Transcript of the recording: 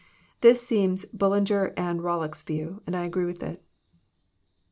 This seems Bullinger and Bol lock's view, and I agree with it.